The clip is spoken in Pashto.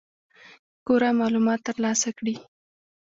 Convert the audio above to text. کره معلومات ترلاسه کړي.